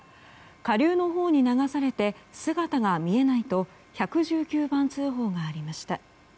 下流のほうに流されて姿が見えないと１１９番通報がありました。